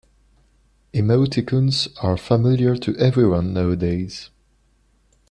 Emoticons are familiar to everyone nowadays.